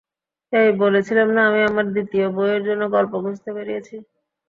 হেই, বলেছিলাম না আমি আমার দ্বিতীয় বইয়ের জন্য গল্প খুঁজতে বেরিয়েছি।